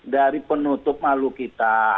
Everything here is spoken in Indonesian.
dari penutup mahluk kita